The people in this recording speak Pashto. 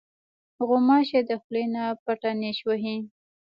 غوماشې د خولې نه پټه نیش وهي.